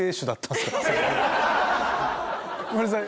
ごめんなさい。